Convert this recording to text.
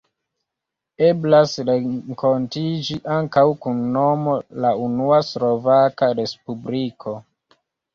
Eblas renkontiĝi ankaŭ kun nomo La unua Slovaka Respubliko.